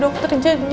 bu tarik nafas dulu ya